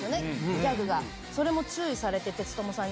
ギャグが、それも注意されて、テツトモさんに。